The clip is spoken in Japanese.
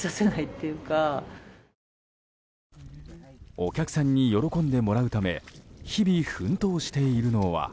お客さんに喜んでもらうため日々、奮闘しているのは。